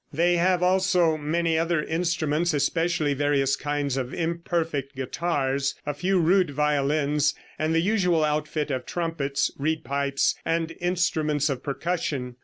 They have also many other instruments, especially various kinds of imperfect guitars, a few rude violins, and the usual outfit of trumpets, reed pipes and instruments of percussion.